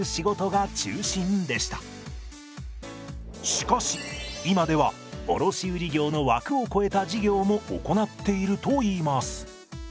しかし今では卸売業の枠を超えた事業も行っているといいます。